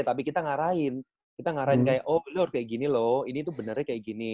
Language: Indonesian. tapi kita ngarahin kita ngarahin kayak oh yaudah kayak gini loh ini tuh benernya kayak gini